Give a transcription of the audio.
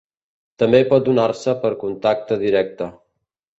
També pot donar-se per contacte directe.